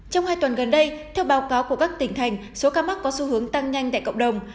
trong hai tuần gần đây theo báo cáo của các tỉnh thành số ca mắc có xu hướng tăng nhanh tại cộng đồng